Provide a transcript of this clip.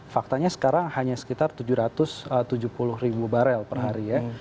faktanya sekarang hanya sekitar tujuh ratus tujuh puluh ribu barel per hari ya